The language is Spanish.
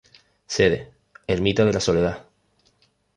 Sede: Ermita de La Soledad.